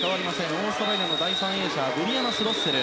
オーストラリアの第３泳者スロッセル。